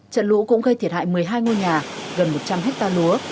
trận lũ cũng gây thiệt hại một mươi hai ngôi nhà gần một trăm linh hectare lúa